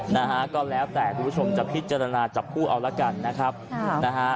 นะฮะก็แล้วแต่คุณผู้ชมพิจารณาจับคู่เอาล่ะกันนะฮะ